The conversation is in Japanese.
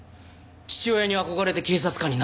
父親に憧れて警察官になったのにか？